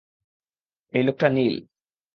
এই লোকটা নীল।